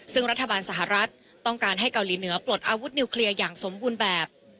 ซึ่งรัฐบาลสหรัฐต้องการให้เกาหลีเหนือปลดอาวุธนิวเคลียร์อย่างสมบูรณ์แบบ